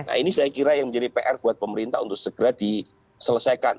nah ini saya kira yang menjadi pr buat pemerintah untuk segera diselesaikan